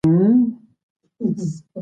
موږ به د ټولنې د اصلاح لپاره کار کوو.